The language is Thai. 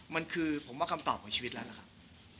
มันคือผมว่าคำตอบของชีวิตแล้วนะครับ